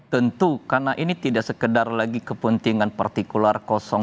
tentu karena ini tidak sekedar lagi kepentingan partikular dua